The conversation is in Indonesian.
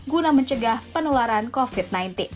guna mencegah penularan covid sembilan belas